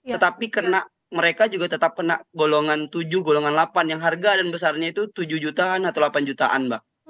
tetapi kena mereka juga tetap kena golongan tujuh golongan delapan yang harga dan besarnya itu tujuh jutaan atau delapan jutaan mbak